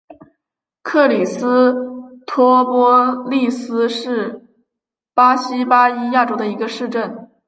克里斯托波利斯是巴西巴伊亚州的一个市镇。